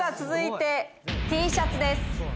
続いてＴシャツです。